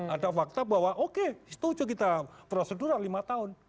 ada fakta bahwa oke setuju kita prosedural lima tahun